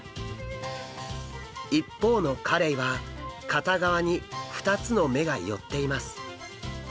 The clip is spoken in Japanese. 一方のカレイは片側に２つの目が寄っています。